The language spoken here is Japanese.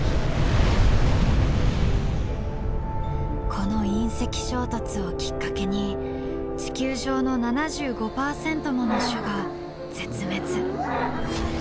この隕石衝突をきっかけに地球上の７５％もの種が絶滅。